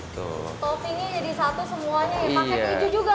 toppingnya jadi satu semuanya ya pakai keju juga